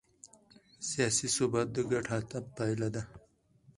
سیاسي ثبات د ګډ هدف پایله ده